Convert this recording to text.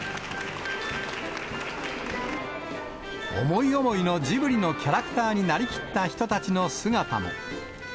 思い思いのジブリのキャラクターになりきった人たちの姿も。